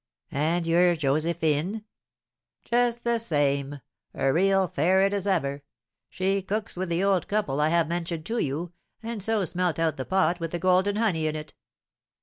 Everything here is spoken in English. "And your Josephine?" "Just the same; a real ferret as ever. She cooks with the old couple I have mentioned to you, and so smelt out the pot with the golden honey in it."